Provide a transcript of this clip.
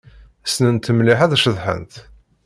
Ssnent mliḥ ad ceḍḥent.